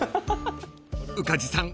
［宇梶さん